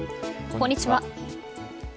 こんにちは。